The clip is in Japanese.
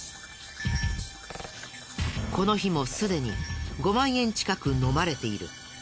この日もすでに５万円近くのまれている。